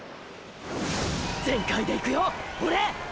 全開でいくよオレ！！